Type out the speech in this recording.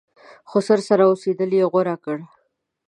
خسر سره اوسېدل یې غوره کړه.